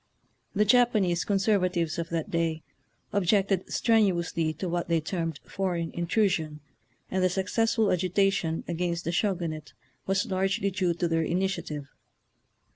The Japanese conserva tives of that day objected strenuously to what they termed foreign intrusion, and the successful agitation against the Sho gunate was largely due to their initiative.